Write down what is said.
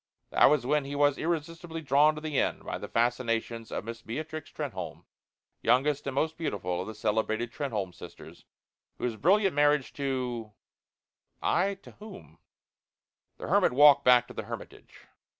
That was when he was irresistibly drawn to the inn by the fascinations of Miss Beatrix Trenholme, youngest and most beautiful of the celebrated Trenholme sisters, whose brilliant marriage to " Aye, to whom? The hermit walked back to the hermitage.